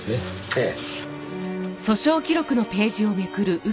ええ。